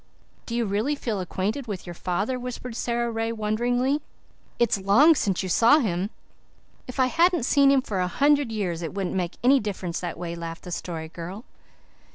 "Do you really feel acquainted with your father?" whispered Sara Ray wonderingly. "It's long since you saw him." "If I hadn't seen him for a hundred years it wouldn't make any difference that way," laughed the Story Girl.